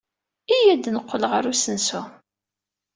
Iyya ad neqqel ɣer usensu.